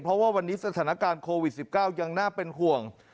เพราะว่าวันนี้สถานการณ์โควิด๑๙ยังน่าเป็นห่วง